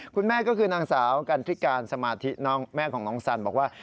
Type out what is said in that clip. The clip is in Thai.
คุณแม่ก็คือนางสาวกันทริการสมาธิแม่ของน้องสันบอกว่า